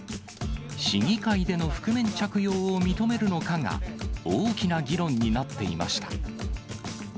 市議会での覆面着用を認めるのかが、大きな議論になっていました。